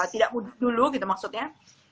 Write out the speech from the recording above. tidak mudah dulu gitu maksudnya